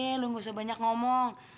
udah deh lu nggak usah banyak ngomong